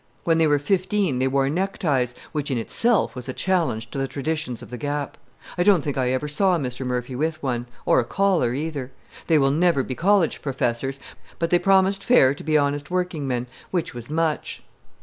When they were fifteen they wore neckties, which in itself was a challenge to the traditions of the Gap. I don't think I ever saw Mr. Murphy with one, or a collar either. They will never be college professors, but they promised fair to be honest workingmen, which was much.